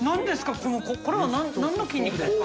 このこれは何の筋肉ですか？